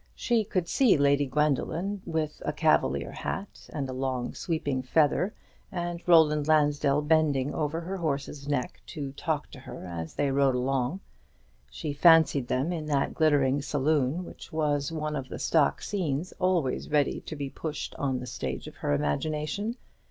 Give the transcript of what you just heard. She could see Lady Gwendoline with a cavalier hat and a long sweeping feather, and Roland Lansdell bending over her horse's neck to talk to her, as they rode along. She fancied them in that glittering saloon, which was one of the stock scenes always ready to be pushed on the stage of her imagination.